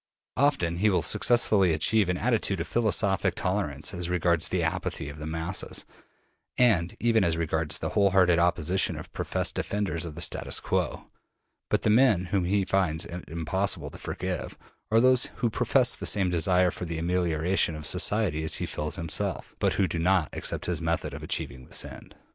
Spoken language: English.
Often he will successfully achieve an attitude of philosophic tolerance as regards the apathy of the masses, and even as regards the whole hearted opposition of professed defenders of the status quo. But the men whom he finds it impossible to forgive are those who profess the same desire for the amelioration of society as he feels himself, but who do not accept his method of achieving this end.